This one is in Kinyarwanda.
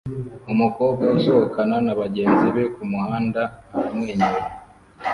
Umukobwa usohokana nabagenzi be kumuhanda aramwenyura